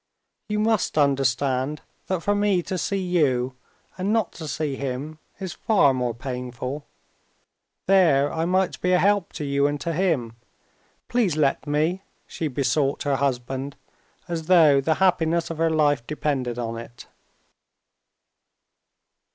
"You must understand that for me to see you, and not to see him, is far more painful. There I might be a help to you and to him. Please, let me!" she besought her husband, as though the happiness of her life depended on it.